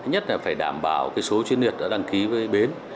nhất là phải đảm bảo số chuyên nghiệp đã đăng ký với bến